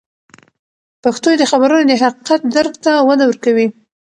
پښتو د خبرونو د حقیقت درک ته وده ورکوي.